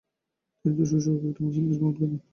তিনি তুরস্ক সহ কয়েকটি মুসলিম দেশ ভ্রমণ করেন।